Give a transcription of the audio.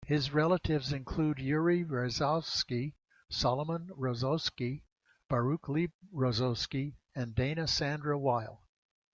His relatives include Yuri Rasovsky, Solomon Rosowsky, Baruch Leib Rosowsky and Dana Sandra Wile.